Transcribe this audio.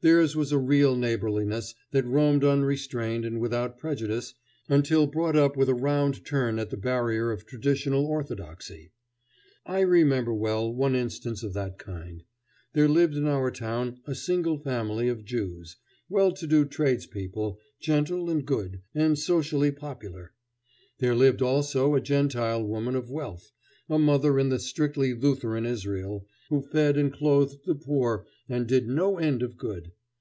Theirs was a real neighborliness that roamed unrestrained and without prejudice until brought up with a round turn at the barrier of traditional orthodoxy. I remember well one instance of that kind. There lived in our town a single family of Jews, well to do tradespeople, gentle and good, and socially popular. There lived also a Gentile woman of wealth, a mother in the strictly Lutheran Israel, who fed and clothed the poor and did no end of good.